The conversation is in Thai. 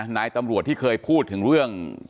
นายตำรวจที่เคยพูดถึงเรื่อง